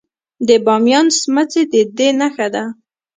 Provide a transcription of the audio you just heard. د بامیان سمڅې د دې نښه ده